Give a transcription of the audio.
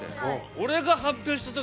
俺が発表した時。